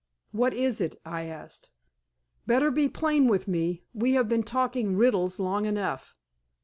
"What is it?" I asked. "Better be plain with me. We have been talking riddles long enough."